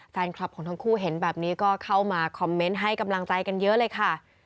แฟนคลับของทั้งคู่เห็นแบบนี้ก็เข้ามาคอมเมนต์ให้กำลังใจกันเยอะเลยค่ะ